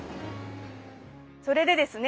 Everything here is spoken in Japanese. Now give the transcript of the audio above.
それでですね